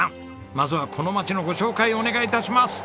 まずはこの町のご紹介お願い致します。